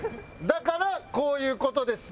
だからこういう事です。